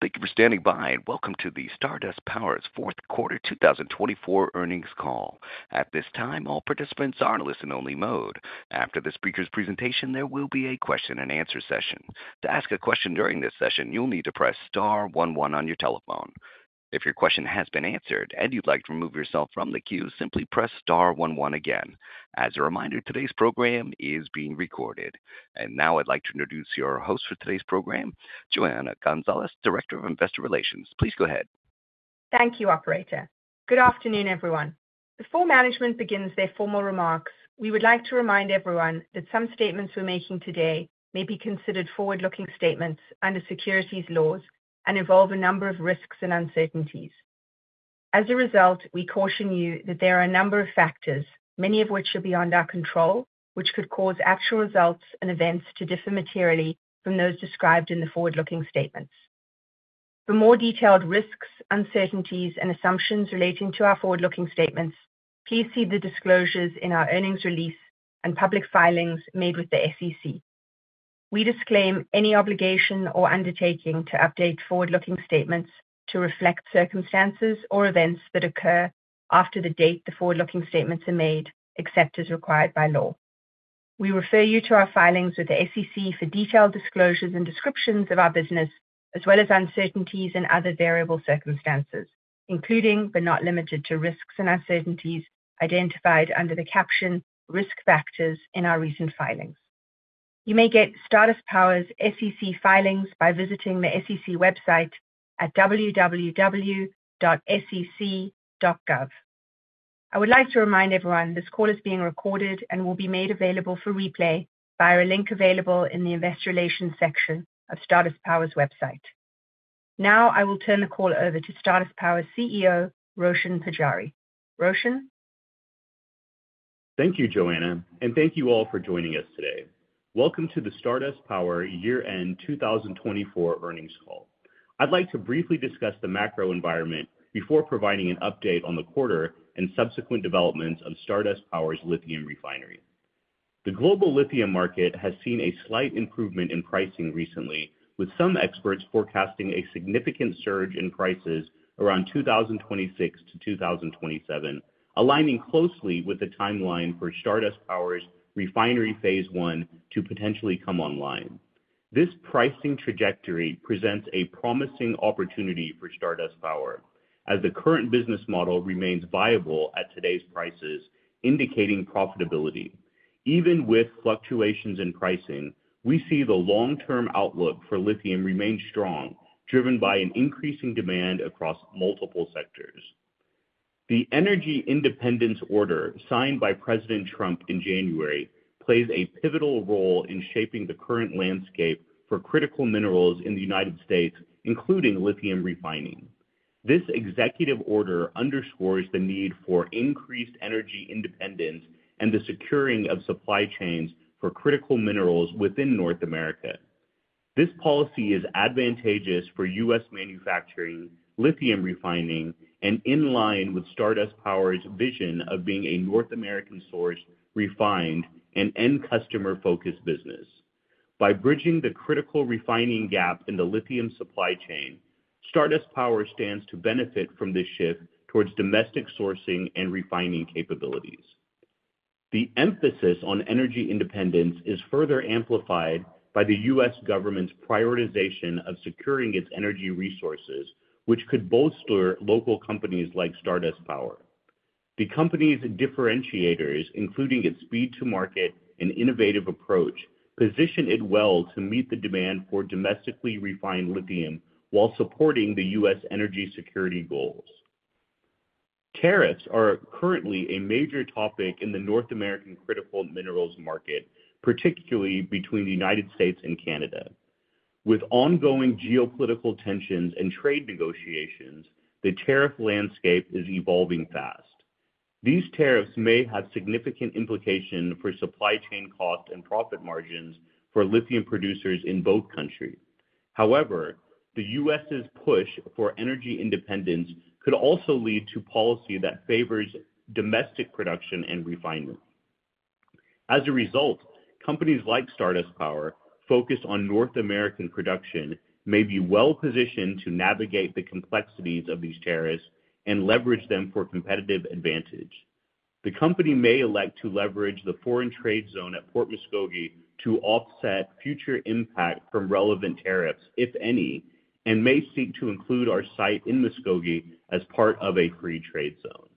Thank you for standing by, and welcome to Stardust Power's fourth quarter 2024 earnings call. At this time, all participants are in a listen-only mode. After this speaker's presentation, there will be a question-and-answer session. To ask a question during this session, you'll need to press star one one on your telephone. If your question has been answered and you'd like to remove yourself from the queue, simply press star one one again. As a reminder, today's program is being recorded. Now I'd like to introduce your host for today's program, Johanna Gonzalez, Director of Investor Relations. Please go ahead. Thank you, Operator. Good afternoon, everyone. Before management begins their formal remarks, we would like to remind everyone that some statements we're making today may be considered forward-looking statements under securities laws and involve a number of risks and uncertainties. As a result, we caution you that there are a number of factors, many of which are beyond our control, which could cause actual results and events to differ materially from those described in the forward-looking statements. For more detailed risks, uncertainties, and assumptions relating to our forward-looking statements, please see the disclosures in our earnings release and public filings made with the SEC. We disclaim any obligation or undertaking to update forward-looking statements to reflect circumstances or events that occur after the date the forward-looking statements are made, except as required by law. We refer you to our filings with the SEC for detailed disclosures and descriptions of our business, as well as uncertainties and other variable circumstances, including, but not limited to, risks and uncertainties identified under the caption "Risk Factors" in our recent filings. You may get Stardust Power's SEC filings by visiting the SEC website at www.sec.gov. I would like to remind everyone this call is being recorded and will be made available for replay via a link available in the Investor Relations section of Stardust Power's website. Now I will turn the call over to Stardust Power CEO, Roshan Pujari. Roshan? Thank you, Johanna, and thank you all for joining us today. Welcome to the Stardust Power year-end 2024 earnings call. I'd like to briefly discuss the macro environment before providing an update on the quarter and subsequent developments of Stardust Power's lithium refinery. The global lithium market has seen a slight improvement in pricing recently, with some experts forecasting a significant surge in prices around 2026 to 2027, aligning closely with the timeline for Stardust Power's refinery phase one to potentially come online. This pricing trajectory presents a promising opportunity for Stardust Power, as the current business model remains viable at today's prices, indicating profitability. Even with fluctuations in pricing, we see the long-term outlook for lithium remain strong, driven by an increasing demand across multiple sectors. The energy independence order signed by President Trump in January plays a pivotal role in shaping the current landscape for critical minerals in the U.S., including lithium refining. This executive order underscores the need for increased energy independence and the securing of supply chains for critical minerals within North America. This policy is advantageous for U.S. manufacturing, lithium refining, and in line with Stardust Power's vision of being a North American-sourced, refined, and end-customer-focused business. By bridging the critical refining gap in the lithium supply chain, Stardust Power stands to benefit from this shift towards domestic sourcing and refining capabilities. The emphasis on energy independence is further amplified by the U.S. government's prioritization of securing its energy resources, which could bolster local companies like Stardust Power. The company's differentiators, including its speed-to-market and innovative approach, position it well to meet the demand for domestically refined lithium while supporting the U.S. energy security goals. Tariffs are currently a major topic in the North American critical minerals market, particularly between the United States and Canada. With ongoing geopolitical tensions and trade negotiations, the tariff landscape is evolving fast. These tariffs may have significant implications for supply chain costs and profit margins for lithium producers in both countries. However, the U.S.'s push for energy independence could also lead to policy that favors domestic production and refinement. As a result, companies like Stardust Power, focused on North American production, may be well-positioned to navigate the complexities of these tariffs and leverage them for competitive advantage. The company may elect to leverage the foreign trade zone at Port Muskogee to offset future impact from relevant tariffs, if any, and may seek to include our site in Muskogee as part of a free trade zone.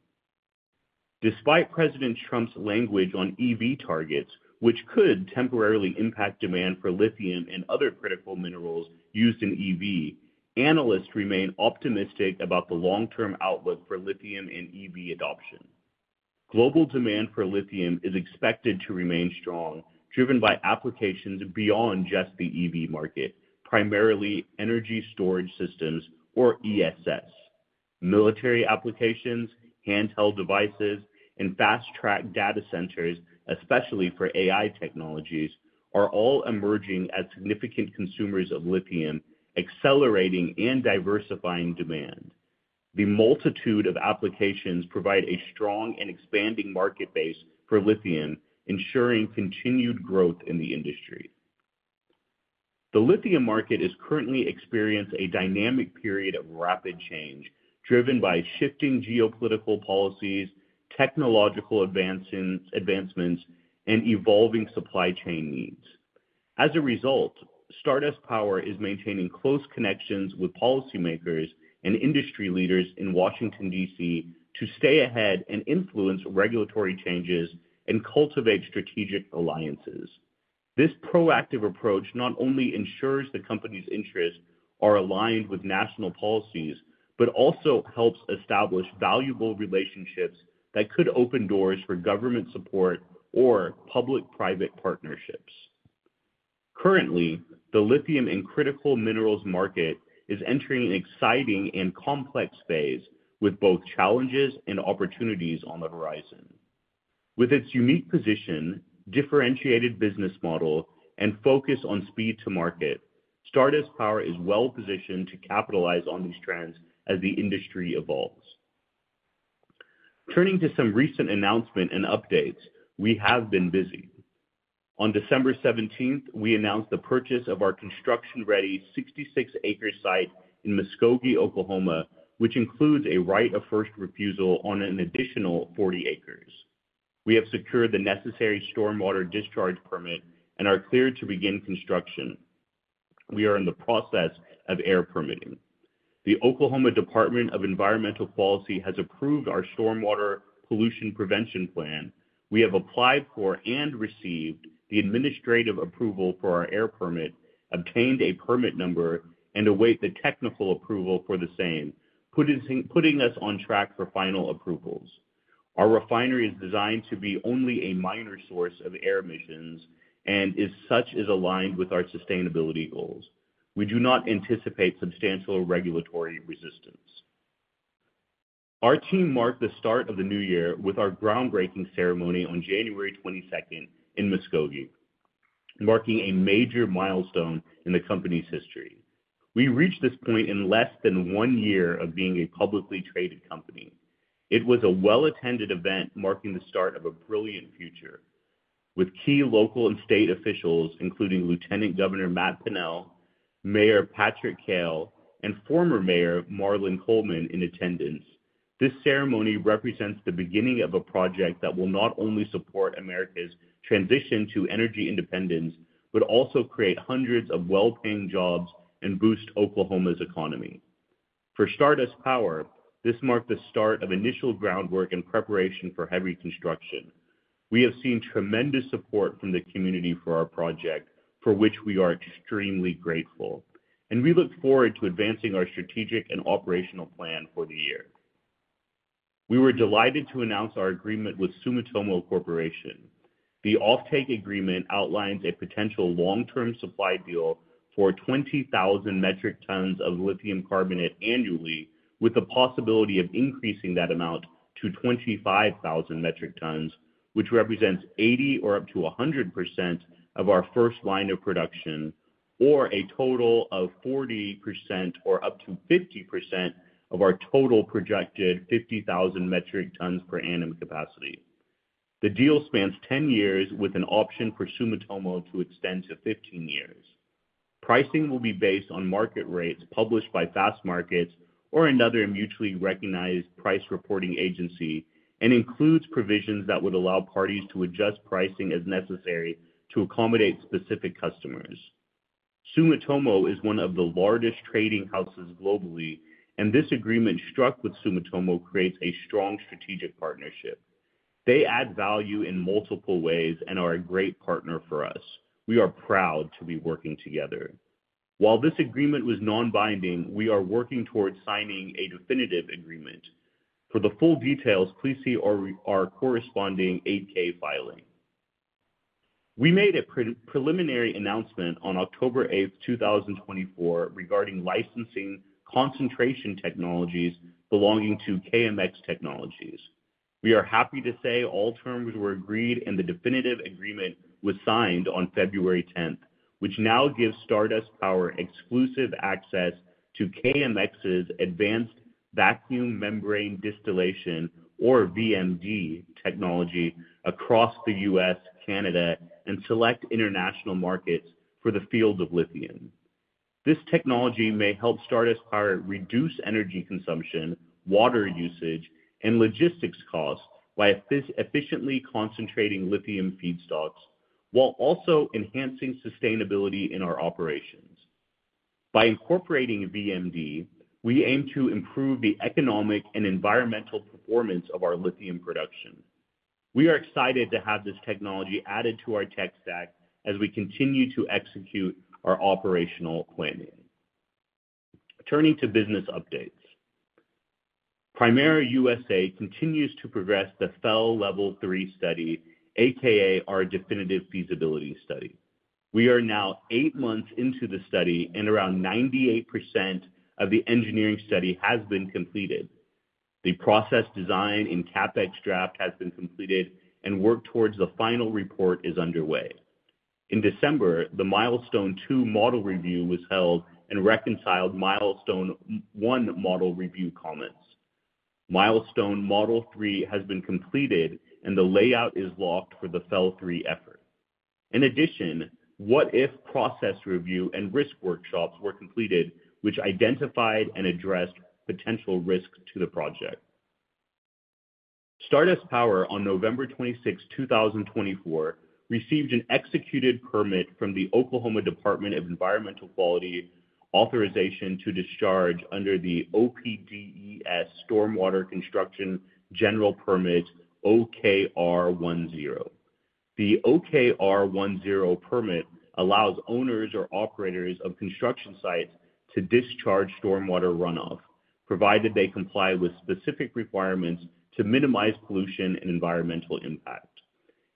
Despite President Trump's language on EV targets, which could temporarily impact demand for lithium and other critical minerals used in EV, analysts remain optimistic about the long-term outlook for lithium and EV adoption. Global demand for lithium is expected to remain strong, driven by applications beyond just the EV market, primarily energy storage systems, or ESS. Military applications, handheld devices, and fast-track data centers, especially for AI technologies, are all emerging as significant consumers of lithium, accelerating and diversifying demand. The multitude of applications provide a strong and expanding market base for lithium, ensuring continued growth in the industry. The lithium market is currently experiencing a dynamic period of rapid change, driven by shifting geopolitical policies, technological advancements, and evolving supply chain needs. As a result, Stardust Power is maintaining close connections with policymakers and industry leaders in Washington, D.C., to stay ahead and influence regulatory changes and cultivate strategic alliances. This proactive approach not only ensures the company's interests are aligned with national policies, but also helps establish valuable relationships that could open doors for government support or public-private partnerships. Currently, the lithium and critical minerals market is entering an exciting and complex phase, with both challenges and opportunities on the horizon. With its unique position, differentiated business model, and focus on speed-to-market, Stardust Power is well-positioned to capitalize on these trends as the industry evolves. Turning to some recent announcements and updates, we have been busy. On December 17, we announced the purchase of our construction-ready 66-acre site in Muskogee, Oklahoma, which includes a right-of-first refusal on an additional 40 acres. We have secured the necessary stormwater discharge permit and are cleared to begin construction. We are in the process of air permitting. The Oklahoma Department of Environmental Quality has approved our stormwater pollution prevention plan. We have applied for and received the administrative approval for our air permit, obtained a permit number, and await the technical approval for the same, putting us on track for final approvals. Our refinery is designed to be only a minor source of air emissions and is such as aligned with our sustainability goals. We do not anticipate substantial regulatory resistance. Our team marked the start of the new year with our groundbreaking ceremony on January 22 in Muskogee, marking a major milestone in the company's history. We reached this point in less than one year of being a publicly traded company. It was a well-attended event marking the start of a brilliant future, with key local and state officials, including Lieutenant Governor Matt Pinnell, Mayor Patrick Cale, and former Mayor Marlon Coleman, in attendance. This ceremony represents the beginning of a project that will not only support America's transition to energy independence but also create hundreds of well-paying jobs and boost Oklahoma's economy. For Stardust Power, this marked the start of initial groundwork and preparation for heavy construction. We have seen tremendous support from the community for our project, for which we are extremely grateful, and we look forward to advancing our strategic and operational plan for the year. We were delighted to announce our agreement with Sumitomo Corporation. The offtake agreement outlines a potential long-term supply deal for 20,000 metric tons of lithium carbonate annually, with the possibility of increasing that amount to 25,000 metric tons, which represents 80% or up to 100% of our first line of production, or a total of 40% or up to 50% of our total projected 50,000 metric tons per annum capacity. The deal spans 10 years, with an option for Sumitomo to extend to 15 years. Pricing will be based on market rates published by Fastmarkets or another mutually recognized price reporting agency and includes provisions that would allow parties to adjust pricing as necessary to accommodate specific customers. Sumitomo is one of the largest trading houses globally, and this agreement struck with Sumitomo creates a strong strategic partnership. They add value in multiple ways and are a great partner for us. We are proud to be working together. While this agreement was non-binding, we are working towards signing a definitive agreement. For the full details, please see our corresponding 8-K filing. We made a preliminary announcement on October 8, 2024, regarding licensing concentration technologies belonging to KMX Technologies. We are happy to say all terms were agreed and the definitive agreement was signed on February 10, which now gives Stardust Power exclusive access to KMX's advanced vacuum membrane distillation, or VMD, technology across the U.S., Canada, and select international markets for the field of lithium. This technology may help Stardust Power reduce energy consumption, water usage, and logistics costs by efficiently concentrating lithium feedstocks while also enhancing sustainability in our operations. By incorporating VMD, we aim to improve the economic and environmental performance of our lithium production. We are excited to have this technology added to our tech stack as we continue to execute our operational planning. Turning to business updates, Primero USA continues to progress the FEL Level 3 study, a.k.a. our definitive feasibility study. We are now eight months into the study, and around 98% of the engineering study has been completed. The process design and CapEx draft have been completed, and work towards the final report is underway. In December, the Milestone 2 model review was held and reconciled Milestone 1 model review comments. Milestone Model 3 has been completed, and the layout is locked for the FEL 3 effort. In addition, What-If process review and risk workshops were completed, which identified and addressed potential risks to the project. Stardust Power, on November 26, 2024, received an executed permit from the Oklahoma Department of Environmental Quality authorization to discharge under the OPDES Stormwater Construction General Permit OKR10. The OKR10 permit allows owners or operators of construction sites to discharge stormwater runoff, provided they comply with specific requirements to minimize pollution and environmental impact.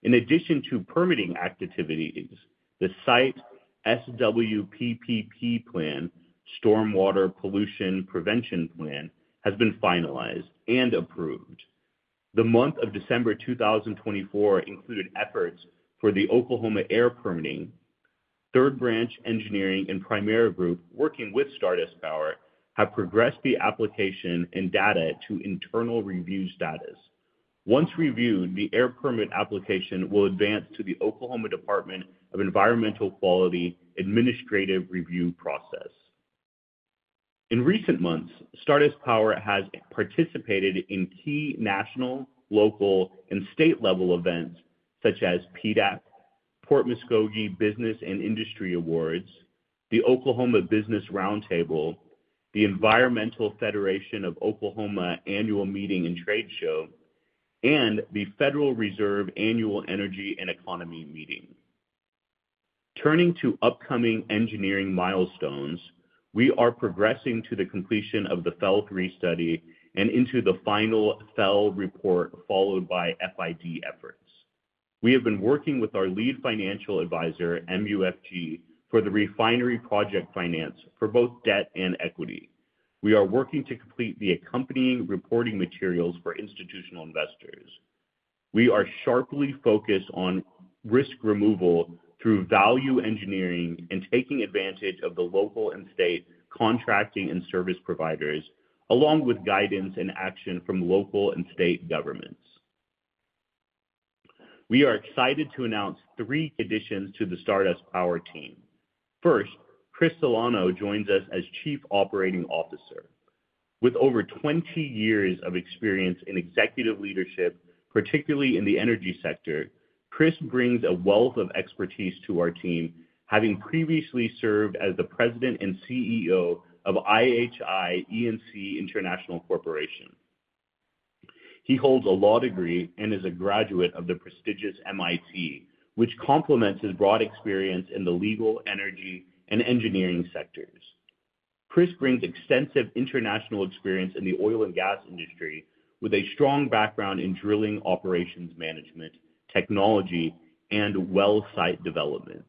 In addition to permitting activities, the site SWPPP plan, Stormwater Pollution Prevention Plan, has been finalized and approved. The month of December 2024 included efforts for the Oklahoma air permitting. Third Branch Engineering and Primero USA, working with Stardust Power, have progressed the application and data to internal review status. Once reviewed, the air permit application will advance to the Oklahoma Department of Environmental Quality administrative review process. In recent months, Stardust Power has participated in key national, local, and state-level events such as PDAC, Port Muskogee Business and Industry Awards, the Oklahoma Business Roundtable, the Environmental Federation of Oklahoma Annual Meeting and Trade Show, and the Federal Reserve Annual Energy and Economy Meeting. Turning to upcoming engineering milestones, we are progressing to the completion of the FEL 3 study and into the final FEL report, followed by FID efforts. We have been working with our lead financial advisor, MUFG, for the refinery project finance for both debt and equity. We are working to complete the accompanying reporting materials for institutional investors. We are sharply focused on risk removal through value engineering and taking advantage of the local and state contracting and service providers, along with guidance and action from local and state governments. We are excited to announce three additions to the Stardust Power team. First, Chris Solano joins us as Chief Operating Officer. With over 20 years of experience in executive leadership, particularly in the energy sector, Chris brings a wealth of expertise to our team, having previously served as the President and CEO of IHI E&C International Corporation. He holds a law degree and is a graduate of the prestigious MIT, which complements his broad experience in the legal, energy, and engineering sectors. Chris brings extensive international experience in the oil and gas industry, with a strong background in drilling operations management, technology, and well site development.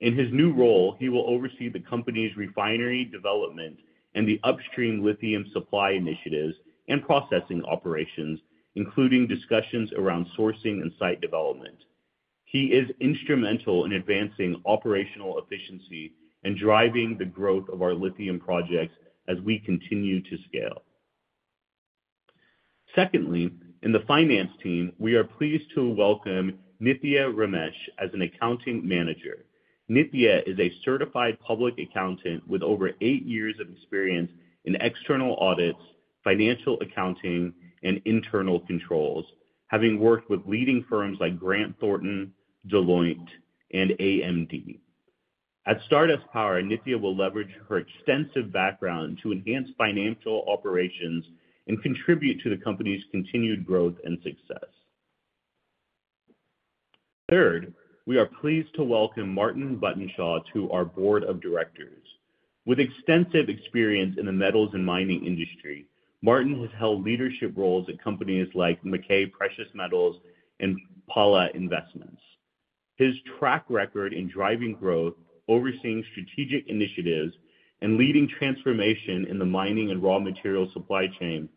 In his new role, he will oversee the company's refinery development and the upstream lithium supply initiatives and processing operations, including discussions around sourcing and site development. He is instrumental in advancing operational efficiency and driving the growth of our lithium projects as we continue to scale. Secondly, in the finance team, we are pleased to welcome Nithya Ramesh as an Accounting Manager. Nithya is a certified public accountant with over eight years of experience in external audits, financial accounting, and internal controls, having worked with leading firms like Grant Thornton, Deloitte, and AMD. At Stardust Power, Nithya will leverage her extensive background to enhance financial operations and contribute to the company's continued growth and success. Third, we are pleased to welcome Martyn Buttenshaw to our Board of Directors. With extensive experience in the metals and mining industry, Martin has held leadership roles at companies like Mackay Precious Metals and Pala Investments. His track record in driving growth, overseeing strategic initiatives, and leading transformation in the mining and raw material supply chain,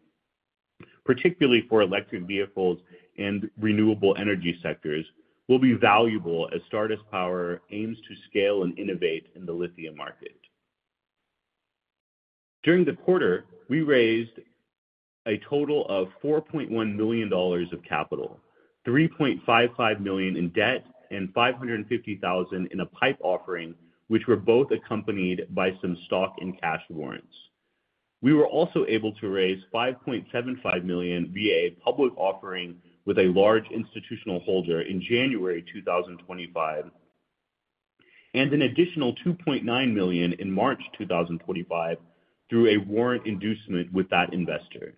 particularly for electric vehicles and renewable energy sectors, will be valuable as Stardust Power aims to scale and innovate in the lithium market. During the quarter, we raised a total of $4.1 million of capital, $3.55 million in debt, and $550,000 in a PIPE offering, which were both accompanied by some stock and cash warrants. We were also able to raise $5.75 million via a public offering with a large institutional holder in January 2025, and an additional $2.9 million in March 2025 through a warrant inducement with that investor.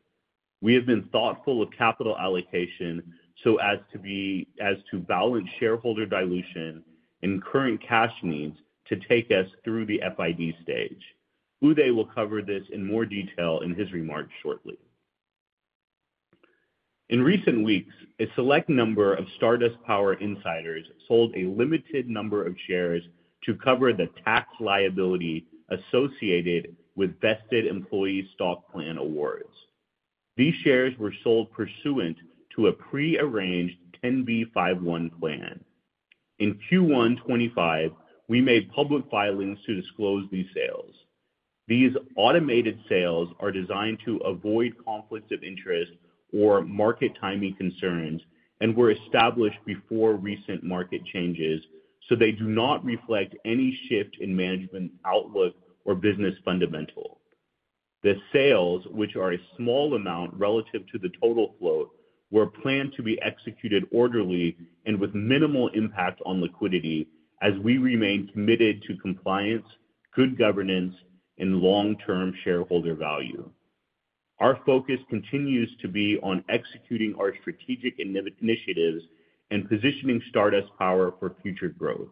We have been thoughtful of capital allocation so as to balance shareholder dilution and current cash needs to take us through the FID stage. Uday will cover this in more detail in his remarks shortly. In recent weeks, a select number of Stardust Power insiders sold a limited number of shares to cover the tax liability associated with Vested Employee Stock Plan awards. These shares were sold pursuant to a prearranged 10b5-1 plan. In Q1 2025, we made public filings to disclose these sales. These automated sales are designed to avoid conflicts of interest or market timing concerns and were established before recent market changes, so they do not reflect any shift in management outlook or business fundamental. The sales, which are a small amount relative to the total float, were planned to be executed orderly and with minimal impact on liquidity, as we remain committed to compliance, good governance, and long-term shareholder value. Our focus continues to be on executing our strategic initiatives and positioning Stardust Power for future growth.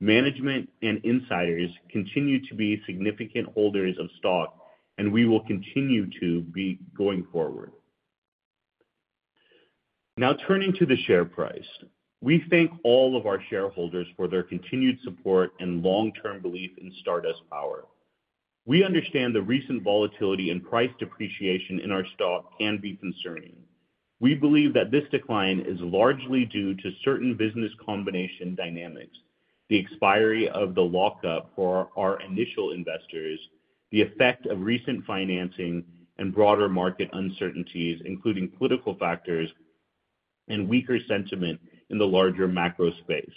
Management and insiders continue to be significant holders of stock, and we will continue to be going forward. Now, turning to the share price, we thank all of our shareholders for their continued support and long-term belief in Stardust Power. We understand the recent volatility and price depreciation in our stock can be concerning. We believe that this decline is largely due to certain business combination dynamics, the expiry of the lockup for our initial investors, the effect of recent financing, and broader market uncertainties, including political factors and weaker sentiment in the larger macro space.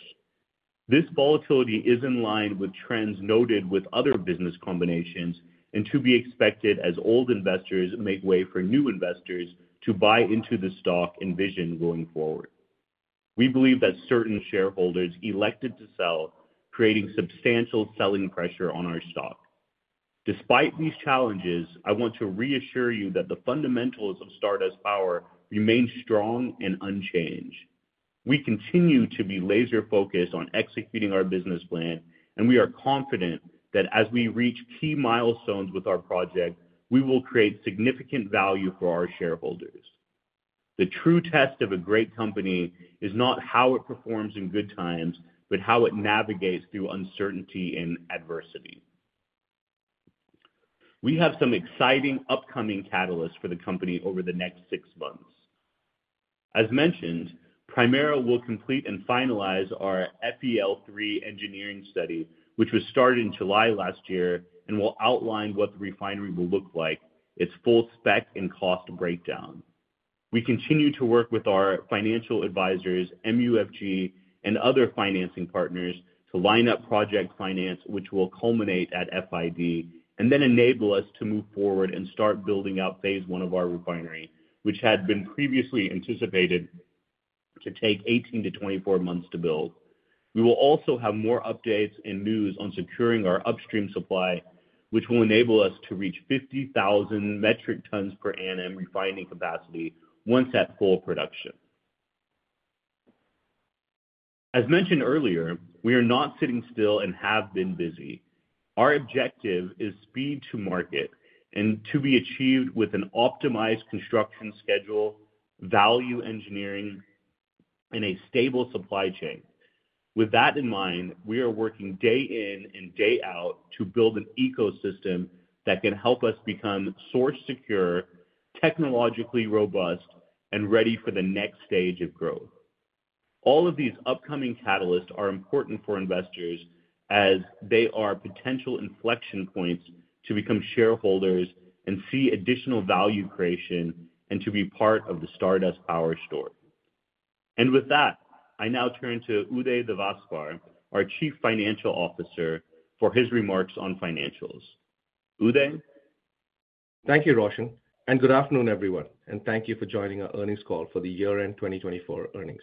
This volatility is in line with trends noted with other business combinations and to be expected as old investors make way for new investors to buy into the stock envisioned going forward. We believe that certain shareholders elected to sell, creating substantial selling pressure on our stock. Despite these challenges, I want to reassure you that the fundamentals of Stardust Power remain strong and unchanged. We continue to be laser-focused on executing our business plan, and we are confident that as we reach key milestones with our project, we will create significant value for our shareholders. The true test of a great company is not how it performs in good times, but how it navigates through uncertainty and adversity. We have some exciting upcoming catalysts for the company over the next six months. As mentioned, Primera will complete and finalize our FEL Level 3 engineering study, which was started in July last year, and will outline what the refinery will look like, its full spec and cost breakdown. We continue to work with our financial advisors, MUFG, and other financing partners to line up project finance, which will culminate at FID, and then enable us to move forward and start building out phase one of our refinery, which had been previously anticipated to take 18-24 months to build. We will also have more updates and news on securing our upstream supply, which will enable us to reach 50,000 metric tons per annum refining capacity once at full production. As mentioned earlier, we are not sitting still and have been busy. Our objective is speed to market and to be achieved with an optimized construction schedule, value engineering, and a stable supply chain. With that in mind, we are working day in and day out to build an ecosystem that can help us become source secure, technologically robust, and ready for the next stage of growth. All of these upcoming catalysts are important for investors as they are potential inflection points to become shareholders and see additional value creation and to be part of the Stardust Power story. I now turn to Uday Devasper, our Chief Financial Officer, for his remarks on financials. Uday? Thank you, Roshan. Good afternoon, everyone. Thank you for joining our earnings call for the year-end 2024 earnings.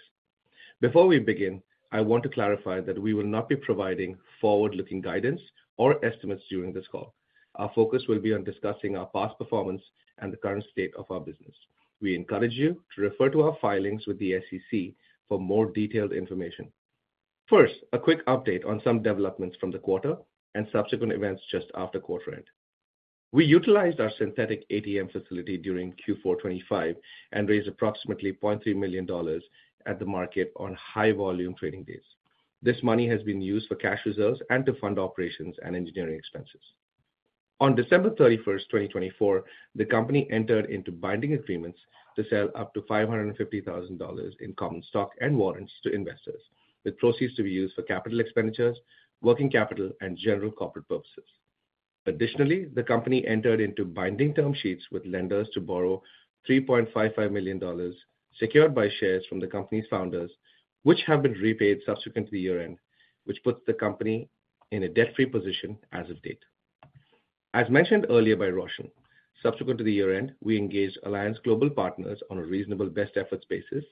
Before we begin, I want to clarify that we will not be providing forward-looking guidance or estimates during this call. Our focus will be on discussing our past performance and the current state of our business. We encourage you to refer to our filings with the SEC for more detailed information. First, a quick update on some developments from the quarter and subsequent events just after quarter end. We utilized our synthetic ATM facility during Q4 2025 and raised approximately $0.3 million at the market on high-volume trading days. This money has been used for cash reserves and to fund operations and engineering expenses. On December 31, 2024, the company entered into binding agreements to sell up to $550,000 in common stock and warrants to investors, with proceeds to be used for capital expenditures, working capital, and general corporate purposes. Additionally, the company entered into binding term sheets with lenders to borrow $3.55 million secured by shares from the company's founders, which have been repaid subsequent to the year-end, which puts the company in a debt-free position as of date. As mentioned earlier by Roshan, subsequent to the year-end, we engaged Alliance Global Partners on a reasonable best-effort basis,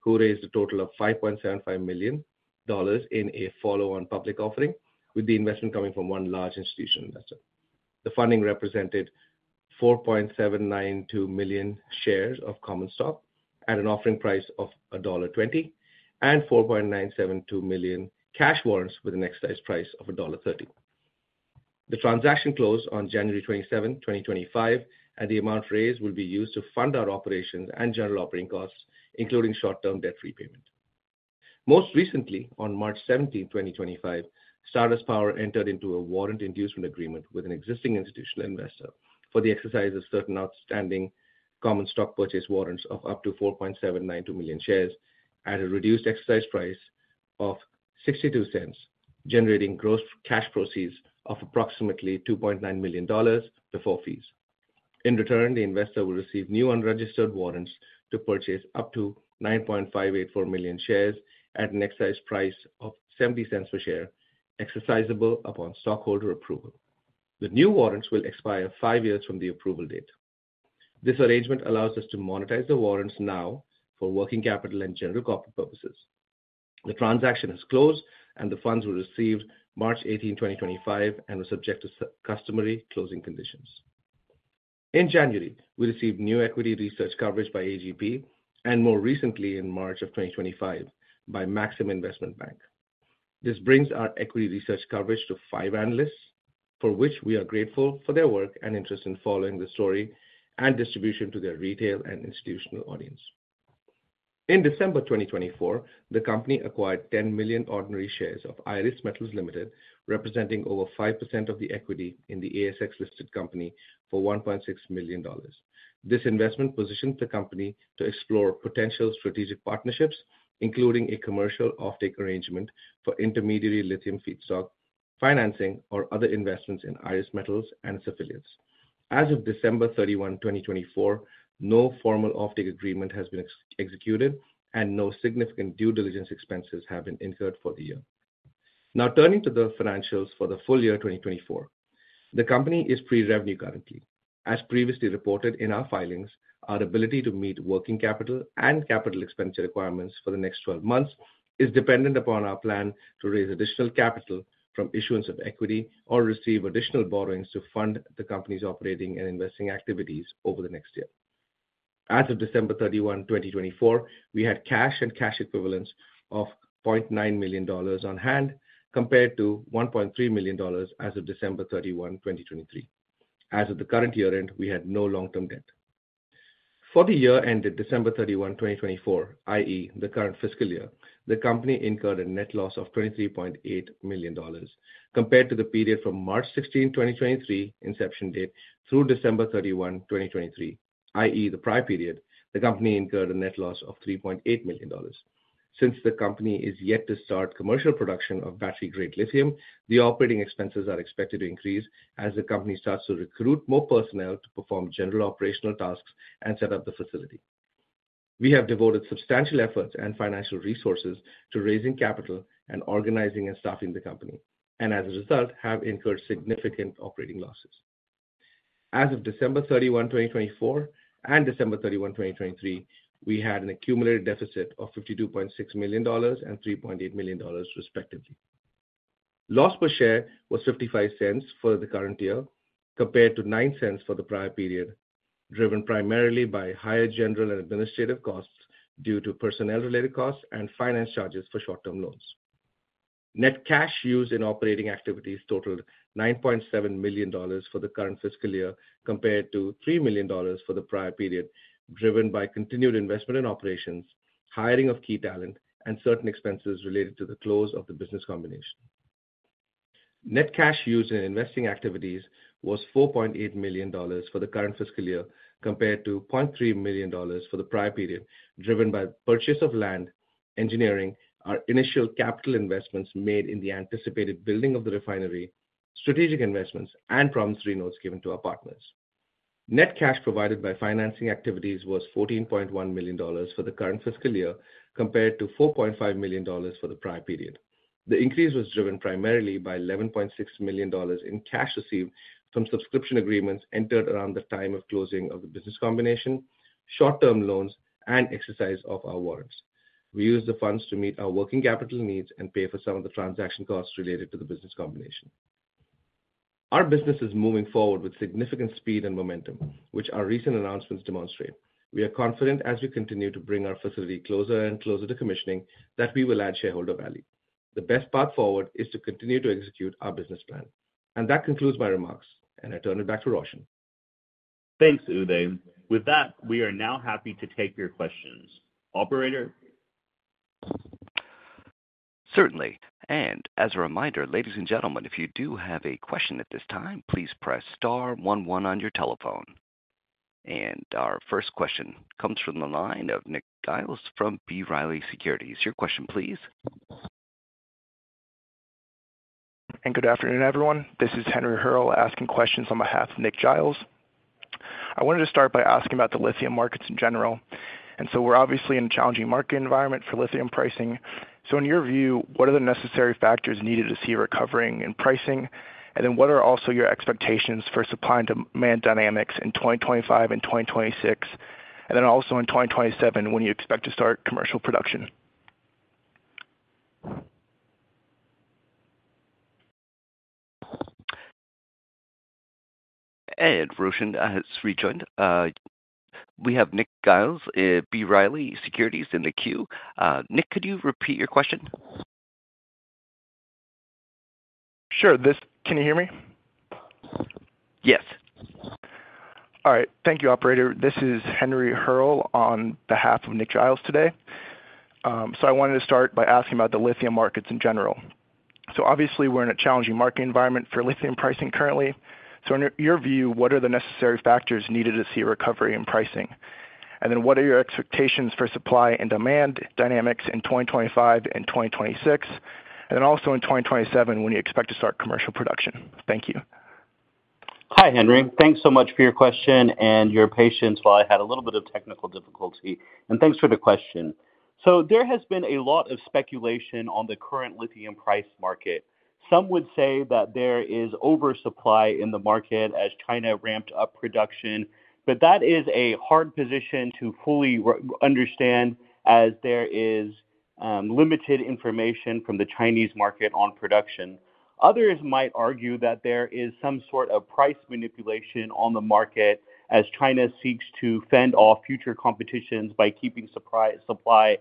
who raised a total of $5.75 million in a follow-on public offering, with the investment coming from one large institutional investor. The funding represented 4.792 million shares of common stock at an offering price of $1.20 and 4.972 million cash warrants with an exercise price of $1.30. The transaction closed on January 27, 2025, and the amount raised will be used to fund our operations and general operating costs, including short-term debt repayment. Most recently, on March 17, 2025, Stardust Power entered into a warrant inducement agreement with an existing institutional investor for the exercise of certain outstanding common stock purchase warrants of up to 4.792 million shares at a reduced exercise price of $0.62, generating gross cash proceeds of approximately $2.9 million before fees. In return, the investor will receive new unregistered warrants to purchase up to 9.584 million shares at an exercise price of $0.70 per share, exercisable upon stockholder approval. The new warrants will expire five years from the approval date. This arrangement allows us to monetize the warrants now for working capital and general corporate purposes. The transaction has closed, and the funds were received March 18, 2025, and were subject to customary closing conditions. In January, we received new equity research coverage by Alliance Global Partners, and more recently, in March of 2025, by Maxim Group. This brings our equity research coverage to five analysts, for which we are grateful for their work and interest in following the story and distribution to their retail and institutional audience. In December 2024, the company acquired 10 million ordinary shares of Iris Metals Limited, representing over 5% of the equity in the ASX-listed company for $1.6 million. This investment positioned the company to explore potential strategic partnerships, including a commercial offtake arrangement for intermediary lithium feedstock financing or other investments in Iris Metals and its affiliates. As of December 31, 2024, no formal offtake agreement has been executed, and no significant due diligence expenses have been incurred for the year. Now, turning to the financials for the full year 2024, the company is pre-revenue currently. As previously reported in our filings, our ability to meet working capital and capital expenditure requirements for the next 12 months is dependent upon our plan to raise additional capital from issuance of equity or receive additional borrowings to fund the company's operating and investing activities over the next year. As of December 31, 2024, we had cash and cash equivalents of $0.9 million on hand, compared to $1.3 million as of December 31, 2023. As of the current year-end, we had no long-term debt. For the year-end of December 31, 2024, i.e., the current fiscal year, the company incurred a net loss of $23.8 million, compared to the period from March 16, 2023, inception date through December 31, 2023, i.e., the prior period, the company incurred a net loss of $3.8 million. Since the company is yet to start commercial production of battery-grade lithium, the operating expenses are expected to increase as the company starts to recruit more personnel to perform general operational tasks and set up the facility. We have devoted substantial efforts and financial resources to raising capital and organizing and staffing the company, and as a result, have incurred significant operating losses. As of December 31, 2024, and December 31, 2023, we had an accumulated deficit of $52.6 million and $3.8 million, respectively. Loss per share was $0.55 for the current year, compared to $0.09 for the prior period, driven primarily by higher general and administrative costs due to personnel-related costs and finance charges for short-term loans. Net cash used in operating activities totaled $9.7 million for the current fiscal year, compared to $3 million for the prior period, driven by continued investment in operations, hiring of key talent, and certain expenses related to the close of the business combination. Net cash used in investing activities was $4.8 million for the current fiscal year, compared to $0.3 million for the prior period, driven by the purchase of land, engineering, our initial capital investments made in the anticipated building of the refinery, strategic investments, and promissory notes given to our partners. Net cash provided by financing activities was $14.1 million for the current fiscal year, compared to $4.5 million for the prior period. The increase was driven primarily by $11.6 million in cash received from subscription agreements entered around the time of closing of the business combination, short-term loans, and exercise of our warrants. We used the funds to meet our working capital needs and pay for some of the transaction costs related to the business combination. Our business is moving forward with significant speed and momentum, which our recent announcements demonstrate. We are confident, as we continue to bring our facility closer and closer to commissioning, that we will add shareholder value. The best path forward is to continue to execute our business plan. That concludes my remarks, and I turn it back to Roshan. Thanks, Uday. With that, we are now happy to take your questions. Operator? Certainly. As a reminder, ladies and gentlemen, if you do have a question at this time, please press star one one on your telephone. Our first question comes from the line of Nick Giles from B. Riley Securities. Your question, please. Good afternoon, everyone. This is Henry Hearle asking questions on behalf of Nick Giles. I wanted to start by asking about the lithium markets in general. We're obviously in a challenging market environment for lithium pricing. In your view, what are the necessary factors needed to see recovering in pricing? What are also your expectations for supply and demand dynamics in 2025 and 2026? Also in 2027, when you expect to start commercial production? Roshan has rejoined. We have Nick Giles at B. Riley Securities in the queue. Nick, could you repeat your question? Sure. Can you hear me? Yes. All right. Thank you, Operator. This is Henry Hearle on behalf of Nick Giles today. I wanted to start by asking about the lithium markets in general. Obviously, we're in a challenging market environment for lithium pricing currently. In your view, what are the necessary factors needed to see recovery in pricing? What are your expectations for supply and demand dynamics in 2025 and 2026? Also in 2027, when you expect to start commercial production? Thank you. Hi, Henry. Thanks so much for your question and your patience while I had a little bit of technical difficulty. Thanks for the question. There has been a lot of speculation on the current lithium price market. Some would say that there is oversupply in the market as China ramped up production, but that is a hard position to fully understand as there is limited information from the Chinese market on production. Others might argue that there is some sort of price manipulation on the market as China seeks to fend off future competitions by keeping supply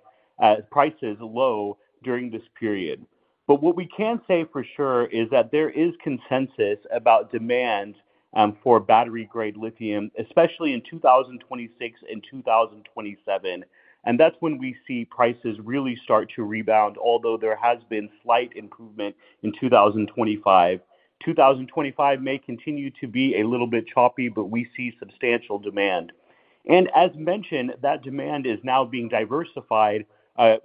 prices low during this period. What we can say for sure is that there is consensus about demand for battery-grade lithium, especially in 2026 and 2027. That is when we see prices really start to rebound, although there has been slight improvement in 2025. 2025 may continue to be a little bit choppy, but we see substantial demand. As mentioned, that demand is now being diversified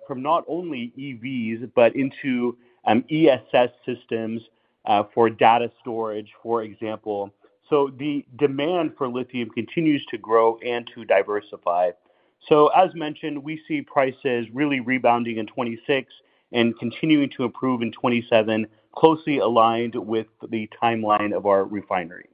from not only EVs, but into ESS systems for data storage, for example. The demand for lithium continues to grow and to diversify. As mentioned, we see prices really rebounding in 2026 and continuing to improve in 2027, closely aligned with the timeline of our refinery.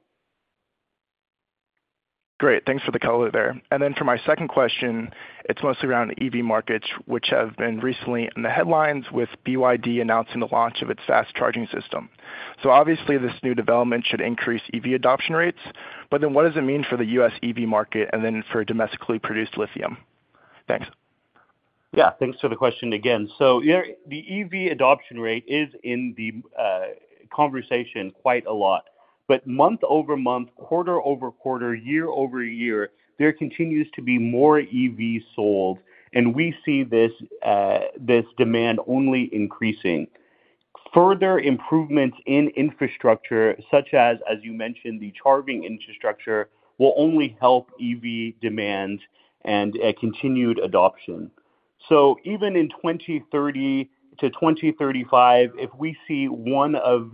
Great. Thanks for the color there. For my second question, it is mostly around EV markets, which have been recently in the headlines with BYD announcing the launch of its fast charging system. Obviously, this new development should increase EV adoption rates. What does it mean for the U.S. EV market and for domestically produced lithium? Thanks. Yeah. Thanks for the question again. The EV adoption rate is in the conversation quite a lot. Month-over-month, quarter-over-quarter, year-over-year, there continues to be more EVs sold. We see this demand only increasing. Further improvements in infrastructure, such as, as you mentioned, the charging infrastructure, will only help EV demand and continued adoption. Even in 2030 to 2035, if we see one of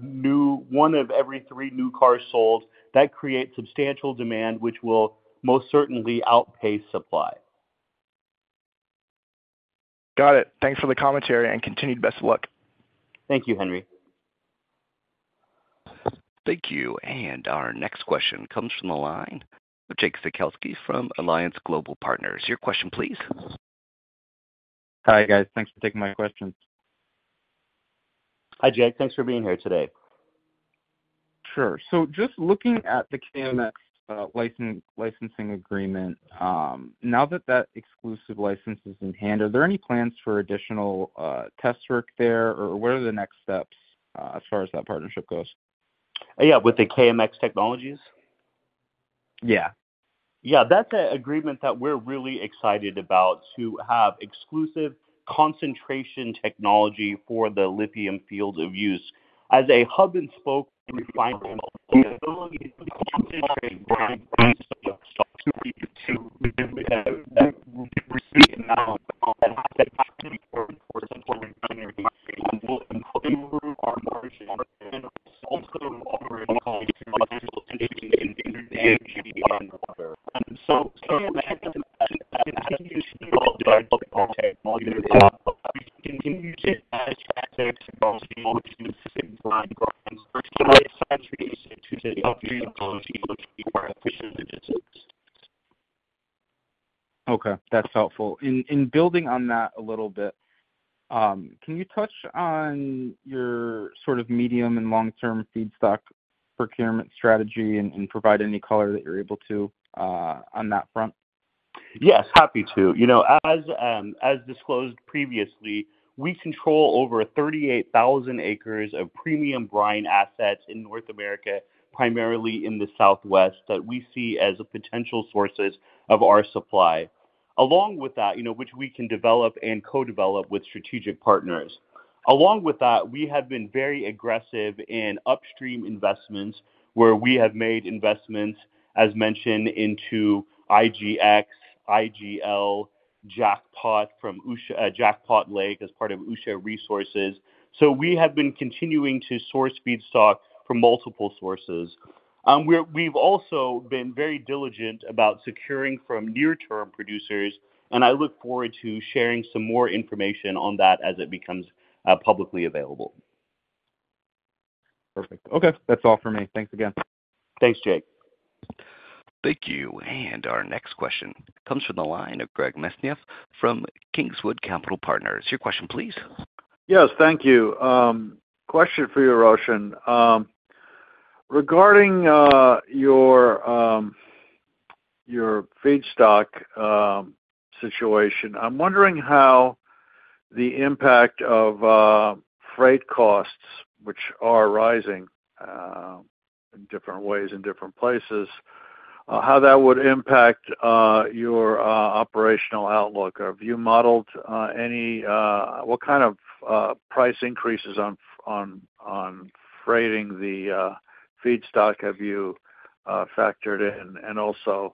every three new cars sold, that creates substantial demand, which will most certainly outpace supply. Got it. Thanks for the commentary and continued best of luck. Thank you, Henry. Thank you. Our next question comes from the line of Jake Sekelsky from Alliance Global Partners. Your question, please. Hi, guys. Thanks for taking my question. Hi, Jake. Thanks for being here today. Sure. Just looking at the KMX licensing agreement, now that that exclusive license is in hand, are there any plans for additional test work there, or what are the next steps as far as that partnership goes? Yeah, with the KMX Technologies? Yeah. Yeah. That's an agreement that we're really excited about to have exclusive concentration technology for the lithium field of use as a hub-and-spoke refinery. Okay. That's helpful. In building on that a little bit, can you touch on your sort of medium and long-term feedstock procurement strategy and provide any color that you're able to on that front? Yes, happy to. As disclosed previously, we control over 38,000 acres of premium brine assets in North America, primarily in the Southwest, that we see as potential sources of our supply, along with that, which we can develop and co-develop with strategic partners. Along with that, we have been very aggressive in upstream investments, where we have made investments, as mentioned, into IGX, IGL, Jackpot from Jackpot Lake as part of Usha Resources. So we have been continuing to source feedstock from multiple sources. We've also been very diligent about securing from near-term producers, and I look forward to sharing some more information on that as it becomes publicly available. Perfect. Okay. That's all for me. Thanks again. Thanks, Jake. Thank you. Our next question comes from the line of Greg Mesniaeff from Kingswood Capital Partners. Your question, please. Yes, thank you. Question for you, Roshan. Regarding your feedstock situation, I'm wondering how the impact of freight costs, which are rising in different ways in different places, how that would impact your operational outlook. Have you modeled any what kind of price increases on freighting the feedstock have you factored in? Also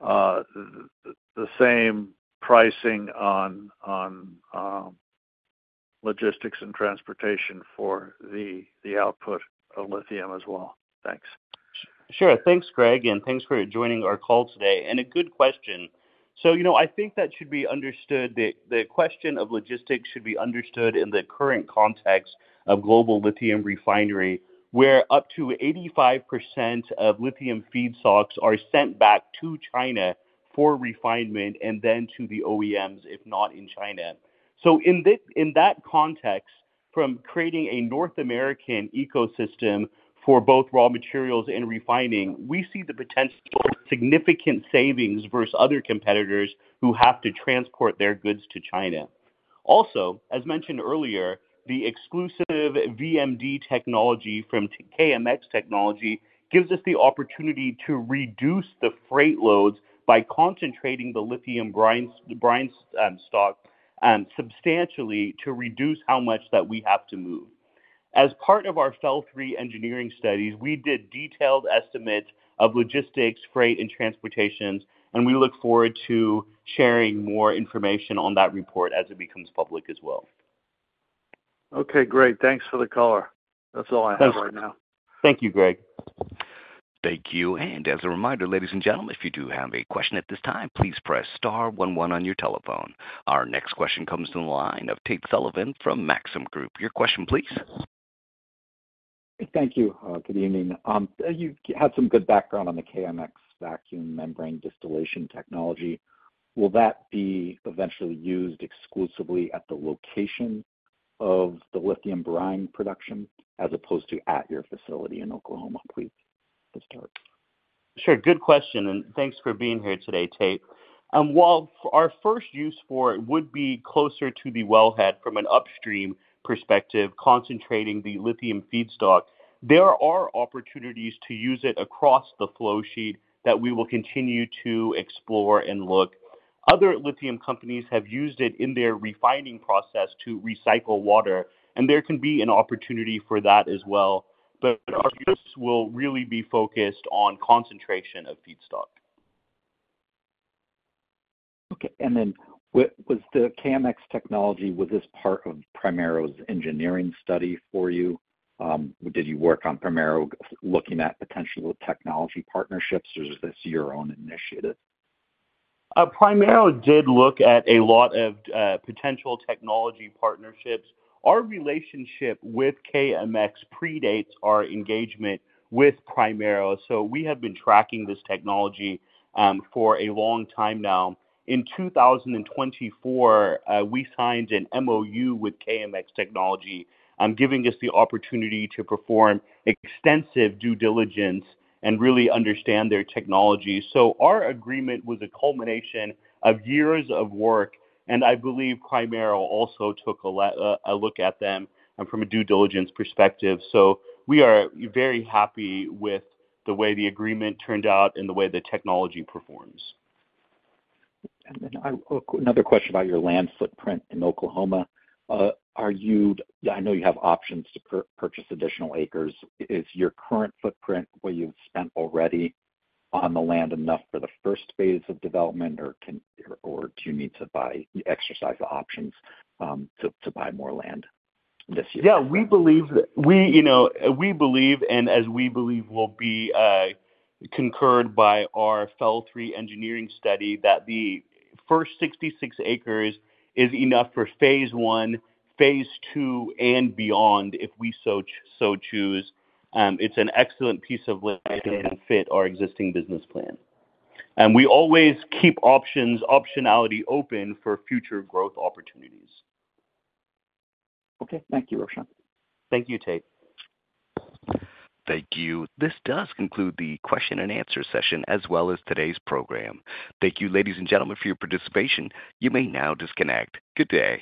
the same pricing on logistics and transportation for the output of lithium as well. Thanks. Sure. Thanks, Greg. Thanks for joining our call today. A good question. I think that should be understood that the question of logistics should be understood in the current context of global lithium refinery, where up to 85% of lithium feedstocks are sent back to China for refinement and then to the OEMs, if not in China. In that context, from creating a North American ecosystem for both raw materials and refining, we see the potential significant savings versus other competitors who have to transport their goods to China. Also, as mentioned earlier, the exclusive VMD technology from KMX Technologies gives us the opportunity to reduce the freight loads by concentrating the lithium brine stock substantially to reduce how much that we have to move. As part of our FEL Level 3 engineering studies, we did detailed estimates of logistics, freight, and transportations, and we look forward to sharing more information on that report as it becomes public as well. Okay. Great. Thanks for the color. That's all I have right now. Thank you, Greg. Thank you. As a reminder, ladies and gentlemen, if you do have a question at this time, please press star one one on your telephone. Our next question comes from the line of Tate Sullivan from Maxim Group. Your question, please. Thank you. Good evening. You have some good background on the KMX vacuum membrane distillation technology. Will that be eventually used exclusively at the location of the lithium brine production as opposed to at your facility in Oklahoma? Please start. Sure. Good question. Thanks for being here today, Tate. While our first use for it would be closer to the wellhead from an upstream perspective, concentrating the lithium feedstock, there are opportunities to use it across the flowsheet that we will continue to explore and look. Other lithium companies have used it in their refining process to recycle water, and there can be an opportunity for that as well. Our use will really be focused on concentration of feedstock. Okay. Was the KMX technology part of Primera's engineering study for you? Did you work on Primera looking at potential technology partnerships, or is this your own initiative? Primera did look at a lot of potential technology partnerships. Our relationship with KMX predates our engagement with Primera. We have been tracking this technology for a long time now. In 2024, we signed an MOU with KMX Technologies, giving us the opportunity to perform extensive due diligence and really understand their technology. Our agreement was a culmination of years of work. I believe Primera also took a look at them from a due diligence perspective. We are very happy with the way the agreement turned out and the way the technology performs. Another question about your land footprint in Oklahoma. I know you have options to purchase additional acres. Is your current footprint, what you have spent already on the land, enough for the first phase of development, or do you need to exercise the options to buy more land this year? Yeah. We believe, and as we believe will be concurred by our FEL Level 3 engineering study, that the first 66 acres is enough for phase one, phase two, and beyond if we so choose. It is an excellent piece of land that can fit our existing business plan. We always keep optionality open for future growth opportunities. Thank you, Roshan. Thank you, Tate. Thank you. This does conclude the question and answer session as well as today's program. Thank you, ladies and gentlemen, for your participation. You may now disconnect. Good day.